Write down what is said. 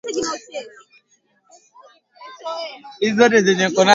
Wafadhili walisaidia kwa kutoa hoja katika mambo yafuatayo